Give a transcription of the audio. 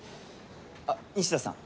あっ西田さん